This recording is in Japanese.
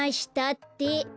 って。